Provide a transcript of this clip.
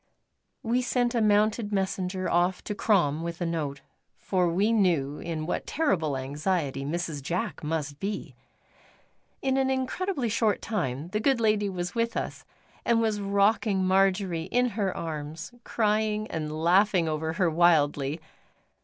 We sent a mounted messenger off to Crom with a note, for we knew in what terrible anxiety Mrs. Jack must be. In an incredibly short time the good lady was with us; and was rocking Marjory in her arms, crying and laughing over her wildly.